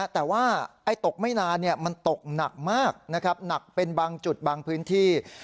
แต่ว่าตกไม่นานมันตกหนักมากนะครับหนักเป็นบางจุดบางพื้นที่